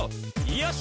よし！